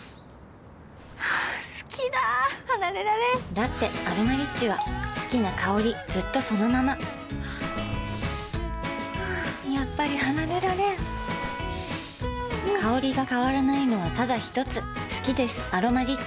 好きだ離れられんだって「アロマリッチ」は好きな香りずっとそのままやっぱり離れられん香りが変わらないのはただひとつ好きです「アロマリッチ」